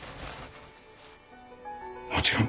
もちろん。